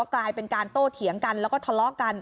กลายเป็นการโต้เถียงกันแล้วก็ทะเลาะกัน